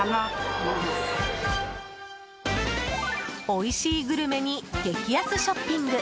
おいしいグルメに激安ショッピング。